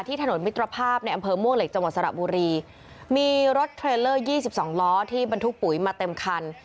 ถนนมิตรภาพในอำเภอม่วงเหล็กจังหวัดสระบุรีมีรถเทรลเลอร์ยี่สิบสองล้อที่บรรทุกปุ๋ยมาเต็มคัน